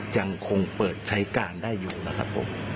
ยังคงเปิดใช้การได้อยู่นะครับผม